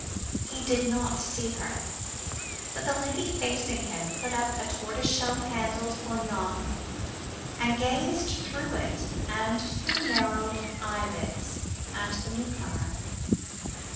He did not see her, but the lady facing him put up a tortoiseshell handled lorgnon and gazed through it and through narrowed eyelids at the new comer.